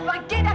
sudah sukses kan